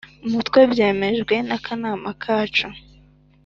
mutwe byemejwe n akanama kacu